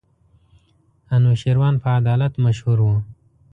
انوشېروان په عدالت مشهور وو.